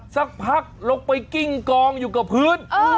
สักพักลงไปกิ้งกองอยู่กับพื้น